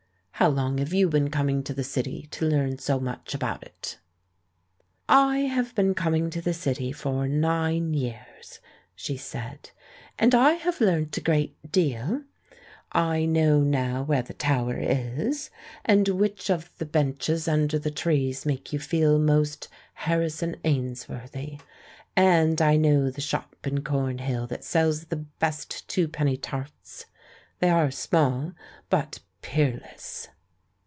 How long have you been coming to the City, to learn so much about it?" "I have been coming to the City for nine years," she said, "and I have learnt a great deal. I know now where the Tower is, and which of the benches under the trees makes you feel most Harrison Ainsworthy. And I know the shop in Cornhill that sells the best twopenny tarts. They are small, but peerless."